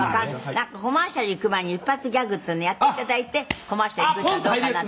「なんかコマーシャルいく前に一発ギャグっていうのをやって頂いてコマーシャル行くっていうのはどうかなって」